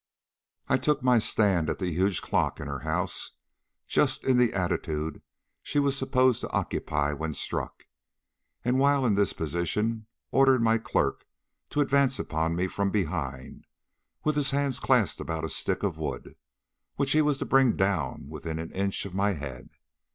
I took my stand at the huge clock in her house, just in the attitude she was supposed to occupy when struck, and, while in this position, ordered my clerk to advance upon me from behind with his hands clasped about a stick of wood, which he was to bring down within an inch of my head.